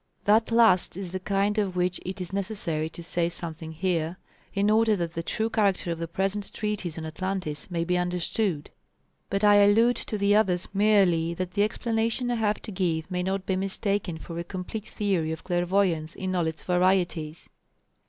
That last is the kind of which it is necessary to say something here, in order that the true character of the present treatise on Atlantis may be understood, but I allude to the others merely that the explanation I have to give may not be mistaken for a complete theory of clairvoyance in all its varieties.